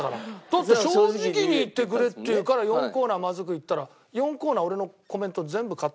だって「正直に言ってくれ」って言うから４コーナーまずく言ったら４コーナーえーっ！